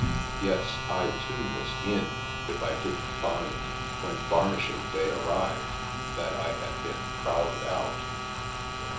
Yes, I, too, was " in," if I didn't find, when Varnishing Day arrived, that I had been " crowded out."